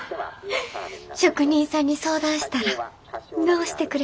職人さんに相談したら直してくれはった。